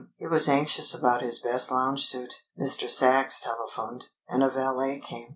He was anxious about his best lounge suit. Mr. Sachs telephoned, and a valet came.